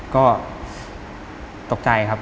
ก็ตกใจครับ